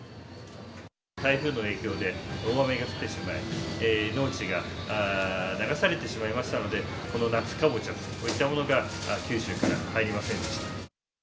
台風の影響で、大雨が降ってしまい、農地が流されてしまいましたので、この夏カボチャと、こういったものが九州から入りませんでした。